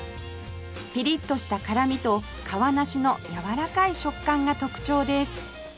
ピリッとした辛みと皮なしのやわらかい食感が特徴です